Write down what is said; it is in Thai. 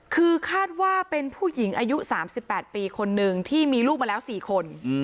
คือคาดว่าเป็นผู้หญิงอายุ๓๘ปีคนนึงที่มีลูกมาแล้ว๔คน